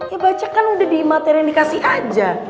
ya bacakan udah di materi yang dikasih aja